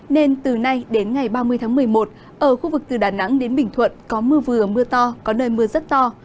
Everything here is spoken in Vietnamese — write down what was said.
nên từ nay đến ngày ba mươi tháng một mươi một ở khu vực từ đà nẵng đến bình thuận có mưa vừa mưa to có nơi mưa rất to